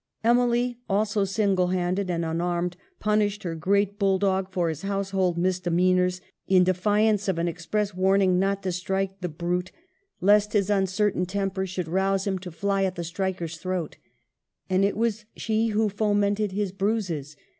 Emily, also, single handed and unarmed, pun ished her great bulldog for his household misde meanors, in defiance of an express warning not to strike the brute, lest his uncertain temper 286 EMILY BRONTE. should rouse him to fly at the striker's throat. And it was she who fomented his bruises.